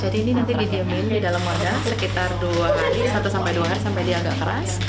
jadi ini nanti didiemin di dalam wadah sekitar dua hari satu sampai dua hari sampai dia agak keras